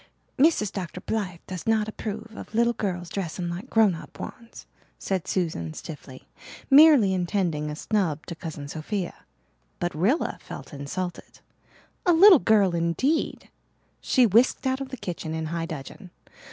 "Mrs. Dr. Blythe does not approve of little girls dressing like grown up ones," said Susan stiffly, intending merely a snub to Cousin Sophia. But Rilla felt insulted. A little girl indeed! She whisked out of the kitchen in high dudgeon.